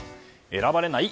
選ばれない？